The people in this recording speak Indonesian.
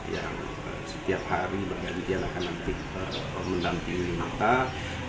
yang setiap hari berganti jalan akan mendampingi unitah